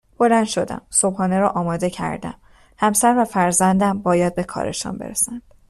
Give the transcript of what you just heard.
بلند شدم صبحانه را آماده کردم همسر و فرزندم باید به کارشان برسند